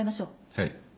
はい。